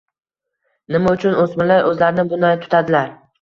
Nima uchun o‘smirlar o‘zlarini bunday tutadilar?